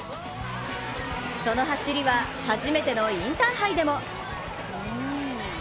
その走りは、初めてのインターハイでも。